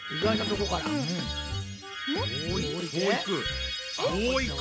こういく。